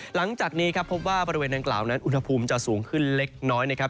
หลังจากนี้ครับพบว่าบริเวณดังกล่าวนั้นอุณหภูมิจะสูงขึ้นเล็กน้อยนะครับ